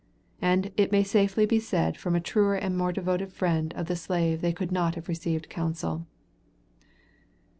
And it may safely be said from a truer and more devoted friend of the slave they could not have received counsel.